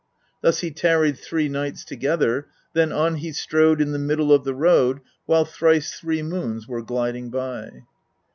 Thus he tarried three nights together, then on he strode in the middle of the road while thrice three moons were gliding by.